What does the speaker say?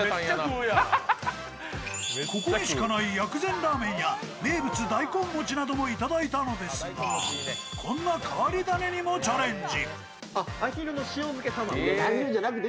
ここにしかない薬膳ラーメンや名物大根餅などもいただいたのですがこんな変わり種にもチャレンジ。